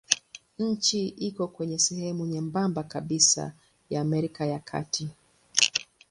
Nchi iko kwenye sehemu nyembamba kabisa ya Amerika ya Kati.